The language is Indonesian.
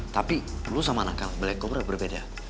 tapi lo sama nakal black cobra berbeda